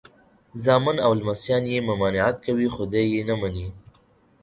زامن او لمسیان یې ممانعت کوي خو دی یې نه مني.